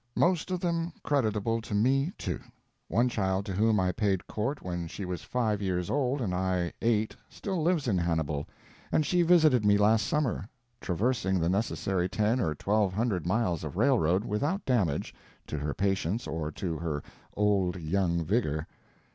Most of them creditable to me, too. One child to whom I paid court when she was five years old and I eight still lives in Hannibal, and she visited me last summer, traversing the necessary ten or twelve hundred miles of railroad without damage to her patience or to her old young vigor.